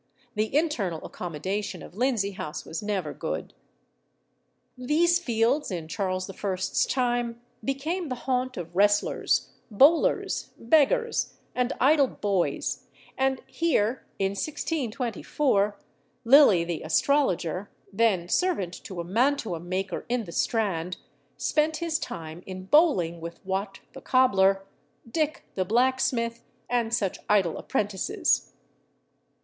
The internal accommodation of Lindsey House was never good. These fields in Charles I.'s time became the haunt of wrestlers, bowlers, beggars, and idle boys; and here, in 1624, Lilly the astrologer, then servant to a mantua maker in the Strand, spent his time in bowling with Wat the cobbler, Dick the blacksmith, and such idle apprentices.